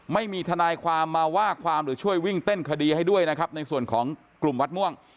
ไม่มีทนายความมาว่าความหรือช่วยวิ่งเต้นคดีให้ด้วยนะครับในส่วนของกลุ่มวัดม่วง